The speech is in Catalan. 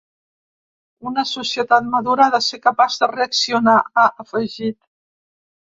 Una societat madura ha de ser capaç de reaccionar, ha afegit.